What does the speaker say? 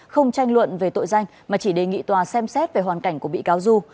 không tranh luận về tội danh mà chỉ đề nghị tòa xem xét về hoàn cảnh của bị cáo du